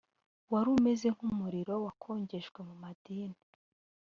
wari umeze nk’ umuriro wakongejwe mu madini